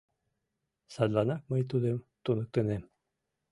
Садланак мый тудым туныктынем.